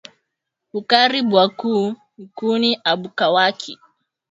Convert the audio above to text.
Bukari bwa ku nkuni abukawaki